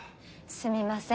すみません。